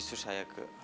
jujur saya keke